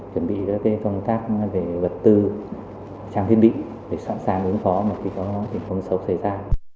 chuẩn bị các công tác về vật tư trang thiết bị để sẵn sàng ứng phó khi có tình huống xấu xảy ra